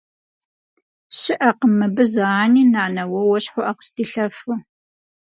Щыӏэкъым мыбы зы ани, нанэ, уэ уэщхьу ӏэ къыздилъэфу.